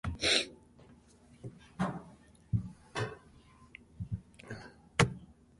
From here guards watched for secretly landing ships in former times.